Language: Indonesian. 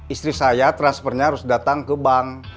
istri saya transfernya harus datang ke bank